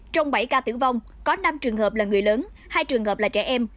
trong bảy ca tử vong có năm trường hợp là người lớn hai trường hợp là trẻ em